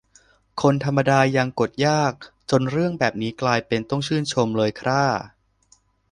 คนธรรมดายังกดยาก จนเรื่องแบบนี้กลายเป็นต้องชื่นชมเลยคร่า